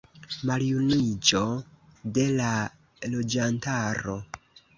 Maljuniĝo de la loĝantaro.